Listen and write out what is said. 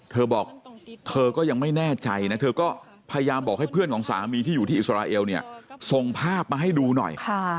เธอบอกเธอก็ยังไม่แน่ใจนะเธอก็พยายามบอกให้เพื่อนของสามีที่อยู่ที่อิสราเอลเนี่ยส่งภาพมาให้ดูหน่อย